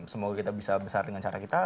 semoga kita bisa besar dengan cara kita